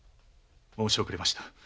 申し遅れました。